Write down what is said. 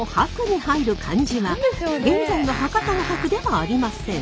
現在の博多の博ではありません。